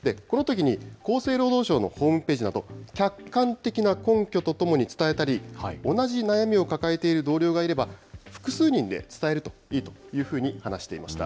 このときに、厚生労働省のホームページなど、客観的な根拠とともに伝えたり、同じ悩みを抱えている同僚がいれば、複数人で伝えるといいと話していました。